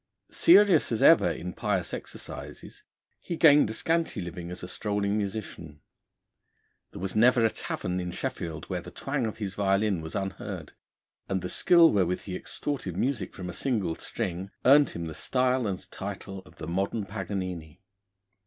Serious as ever in pious exercises, he gained a scanty living as strolling musician. There was never a tavern in Sheffield where the twang of his violin was unheard, and the skill wherewith he extorted music from a single string earned him the style and title of the modern Paganini.